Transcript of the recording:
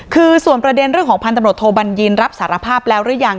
คือส่วนประเด็นเรื่องของพันตำรวจโทบัญญินรับสารภาพแล้วหรือยัง